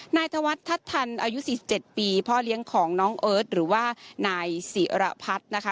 นายธวรรษทัศนอายุสี่เจ็ดปีพ่อเลี้ยงของน้องเอิร์ทหรือว่านายสิระพัดนะคะ